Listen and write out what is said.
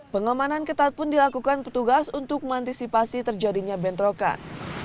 pengemanan ketat pun dilakukan petugas untuk mantisipasi terjadinya bentrokan